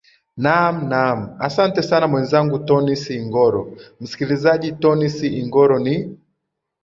naam naam asante sana mwenzangu tonis ingoro msikilizaji tonis ingoro ni